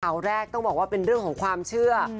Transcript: ข่าวแรกต้องบอกว่าเป็นเรื่องของความเชื่อ